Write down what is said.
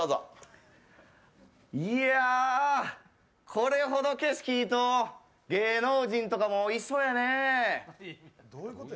これほど景色いいと芸能人とかもいそうやねえ。